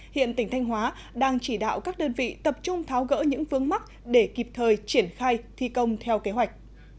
hiện tỉnh thanh hóa đang chỉ đạo các đơn vị tập trung tháo gỡ những vướng mắt để kịp thời triển khai thi công theo kế hoạch